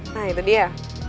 nah itu dia